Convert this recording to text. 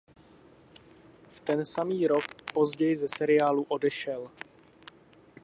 V ten samý rok později ze seriálu odešel.